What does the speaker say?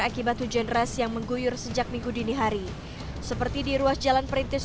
akibat hujan ras yang mengguyur sejak minggu dini hari seperti di ruas jalan perintis